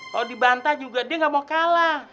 kalo dibanta juga dia gak mau kalah